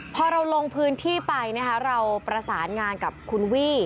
พอเราลงพื้นที่ไปนะคะเราประสานงานกับคุณวี่